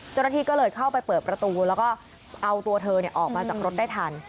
เจ้าหน้าที่ก็เลยเข้าไปเปิดประตูแล้วก็เอาตัวเธอออกมาจากรถได้ทัน